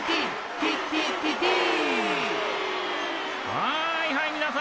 はいはいみなさん。